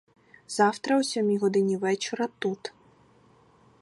Завтра о сьомій годині вечора тут.